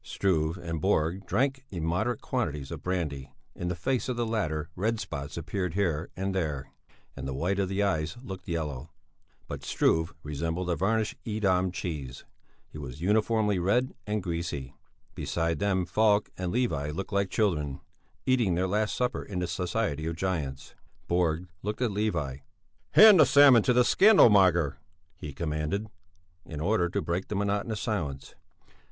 Struve and Borg drank immoderate quantities of brandy; in the face of the latter red spots appeared here and there, and the white of the eyes looked yellow. But Struve resembled a varnished Edam cheese; he was uniformly red and greasy. Beside them Falk and Levi looked like children, eating their last supper in the society of giants. Borg looked at Levi. "Hand the salmon to the scandal monger," he commanded, in order to break the monotonous silence.